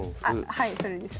はいそれです。